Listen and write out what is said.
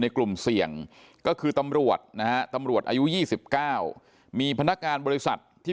กลุ่มเสี่ยงก็คือตำรวจนะฮะตำรวจอายุ๒๙มีพนักงานบริษัทที่